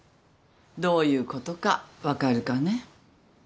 どういうことか分かるかね？